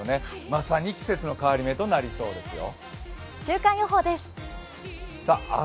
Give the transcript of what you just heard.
まさに季節の変わり目となりそうですよ。